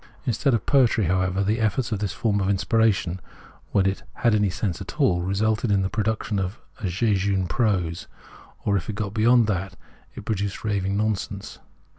Instead of poetry, however, the efforts of this form of inspiration, when it had any sense at all, resulted in the production of jejune prose, or, if it got beyond that, it produced raving nonsense.